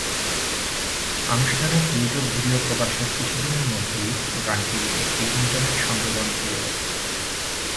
আনুষ্ঠানিক YouTube video প্রকাশের কিছুদিনের মধ্যেই গানটি একটি ইন্টারনেট সংবেদন হয়ে ওঠে।